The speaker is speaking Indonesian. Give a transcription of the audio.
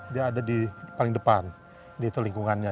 dia ada di paling depan di itu lingkungannya